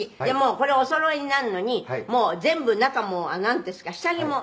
これおそろえになるのに全部中もなんですか下着も全部？」